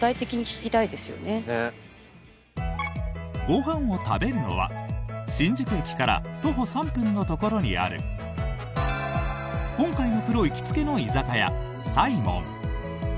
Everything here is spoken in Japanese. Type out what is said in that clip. ご飯を食べるのは新宿駅から徒歩３分のところにある今回のプロ行きつけの居酒屋犀門。